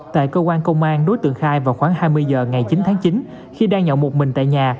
tại cơ quan công an đối tượng khai vào khoảng hai mươi giờ ngày chín tháng chín khi đang nhậu một mình tại nhà